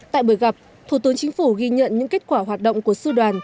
tại buổi gặp thủ tướng chính phủ ghi nhận những kết quả hoạt động của sư đoàn